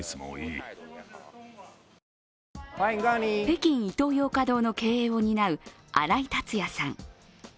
北京イトーヨーカドーの経営を担う荒井達也さん。